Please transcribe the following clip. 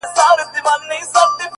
ها ښکلې که هر څومره ما وغواړي،